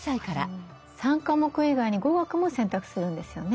３科目以外に語学も選択するんですよね？